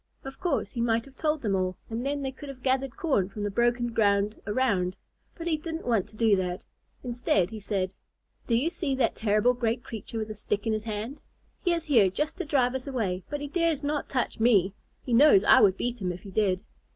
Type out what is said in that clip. Of course, he might have told them all, and then they could have gathered corn from the broken ground around, but he didn't want to do that. Instead, he said, "Do you see that terrible great creature with a stick in his hand? He is here just to drive us away, but he dares not touch me. He knows I would beat him if he did."